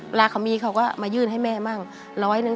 เวลาเขามีเขาก็มายื่นให้แม่บ้าง๑๐๐นึง